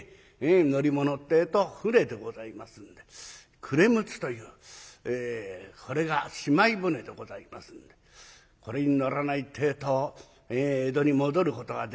乗り物ってえと舟でございますんで暮れ六つというこれがしまい船でございますんでこれに乗らないってえと江戸に戻ることができないというわけで。